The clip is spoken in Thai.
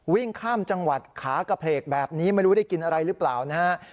วิ่งข้ามจังหวัดขากระเพลกแบบนี้ไม่รู้ได้กินอะไรหรือเปล่านะฮะ